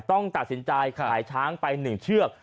ต้องตัดสินใจขายช้างไป๑เชือก